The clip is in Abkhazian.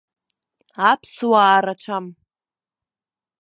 Аԥсуаа рацәам!